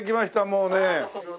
もうね。